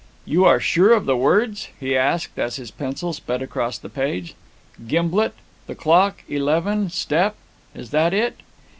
"You are sure of the words?" he asked, as his pencil sped across the page. "'Gimblet the clock eleven step,' is that it?"